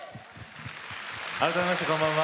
改めましてこんばんは。